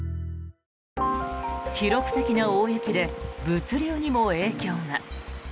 記録的な大雪で物流にも影響が。